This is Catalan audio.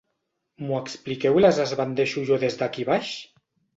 M'ho expliqueu i les esbandeixo jo des d'aquí baix?